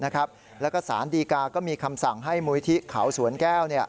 แล้วก็สารดีกาก็มีคำสั่งให้มูลิธิเขาสวนแก้ว